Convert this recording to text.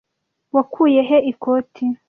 Wakuye he ikoti?